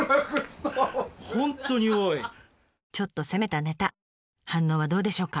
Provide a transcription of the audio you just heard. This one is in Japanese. ちょっと攻めたネタ反応はどうでしょうか？